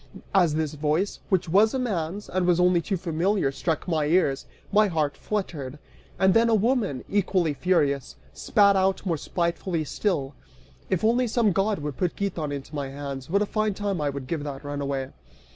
As this voice, which was a man's, and was only too familiar, struck my ears, my heart fluttered. And then a woman, equally furious, spat out more spitefully still "If only some god would put Giton into my hands, what a fine time I would give that runaway."